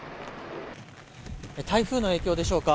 台風の影響でしょうか。